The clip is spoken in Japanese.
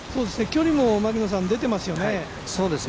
距離も出ていますよね。